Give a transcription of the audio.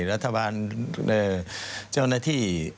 รัฐบาลเจ้าหน้าที่